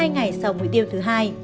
hai ngày sau mũi tiêm thứ hai